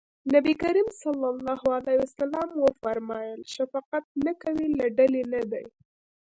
نبي کريم ص وفرمایل شفقت نه کوي له ډلې نه دی.